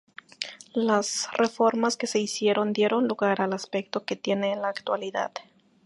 Las reformas que se hicieron dieron lugar al aspecto que tiene en la actualidad.